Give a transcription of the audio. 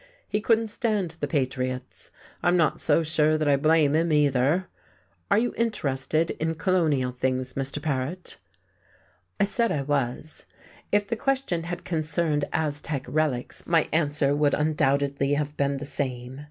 He couldn't stand the patriots, I'm not so sure that I blame him, either. Are you interested in colonial things, Mr. Paret?" I said I was. If the question had concerned Aztec relics my answer would undoubtedly have been the same.